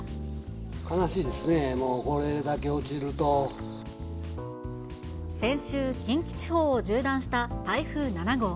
悲しいですね、もうこれだけ先週、近畿地方を縦断した台風７号。